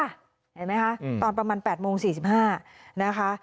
เห็นไหมคะตอนประมาณ๘โมง๔๕นะคะ